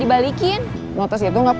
bahin gadis siap